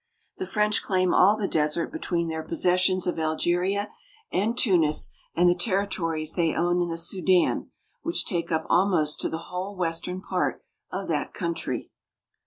The French claim all the desert between their possessions of Algeria and Tunis and the territories they own in the Sudan, which take up almost the whole western part of that country.